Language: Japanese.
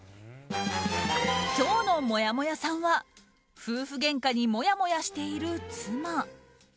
今日のもやもやさんは夫婦げんかにもやもやしている妻。